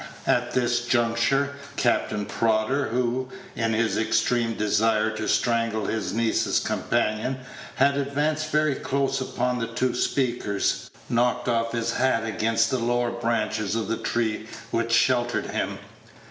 At this juncture, Captain Prodder, who, in his extreme desire to strangle his niece's companion, had advanced very close upon the two speakers, knocked off his bat against the lower branches of the tree which sheltered him.